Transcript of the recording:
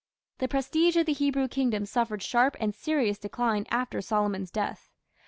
The prestige of the Hebrew kingdom suffered sharp and serious decline after Solomon's death.